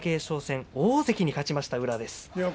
勝戦大関に勝ちました宇良です。